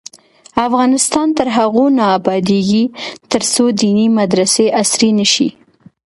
افغانستان تر هغو نه ابادیږي، ترڅو دیني مدرسې عصري نشي.